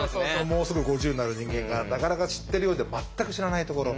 もうすぐ５０になる人間がなかなか知ってるようで全く知らないところ。